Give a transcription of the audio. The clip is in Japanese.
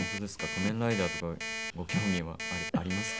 『仮面ライダー』とかご興味はありますか？